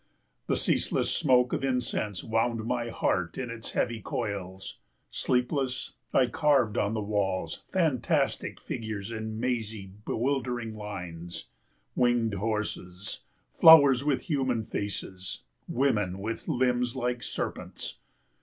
The ceaseless smoke of incense wound my heart in its heavy coils. Sleepless, I carved on the walls fantastic figures in mazy bewildering lines winged horses, flowers with human faces, women with limbs like serpents.